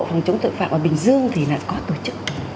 phòng chống tội phạm ở bình dương thì lại có tổ chức